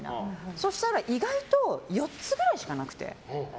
そうしたら意外に４つぐらいしかなくて。